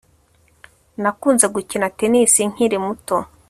Nakunze gukina tennis nkiri muto